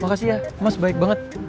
makasih ya mas baik banget